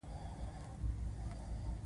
بدرنګه وعدې بې نتیجې وي